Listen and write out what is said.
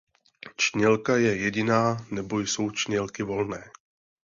Čnělka je jediná nebo jsou čnělky volné.